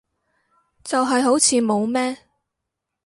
就係好似冇咩